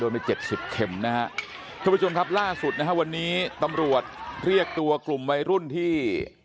โดนเป็นเจ็บชิบเข็มนะครับท่านผู้ชมครับล่าสุดนะครับวันนี้ตำรวจเรียกตัวกลุ่มวัยรุ่นที่